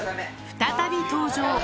再び登場。